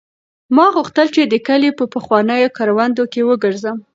ما غوښتل چې د کلي په پخوانیو کروندو کې وګرځم.